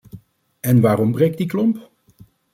En waarom breekt die klomp?